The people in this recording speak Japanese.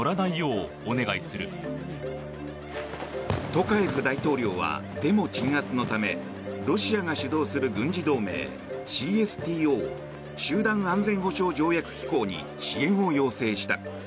トカエフ大統領はデモ鎮圧のためロシアが主導する軍事同盟ＣＳＴＯ・集団安全保障条約機構に支援を要請した。